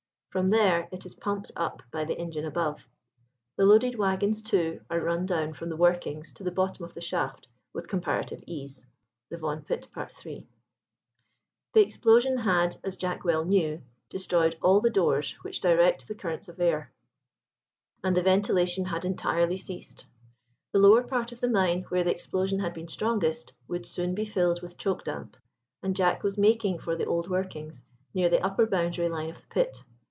From there it is pumped up by the engine above. The loaded waggons, too, are run down from the workings to the bottom of the shaft with comparative ease. THE VAUGHAN PIT.—III. The explosion had, as Jack well knew, destroyed all the doors which direct the currents of the air, and the ventilation had entirely ceased. The lower part of the mine, where the explosion had been strongest, would soon be filled with choke damp, and Jack was making for the old workings, near the upper boundary line of the pit.